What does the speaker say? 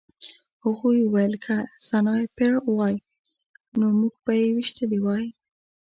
هغوی وویل که سنایپر وای نو موږ به یې ویشتلي وو